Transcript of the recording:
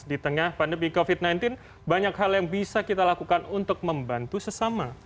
di tengah pandemi covid sembilan belas banyak hal yang bisa kita lakukan untuk membantu sesama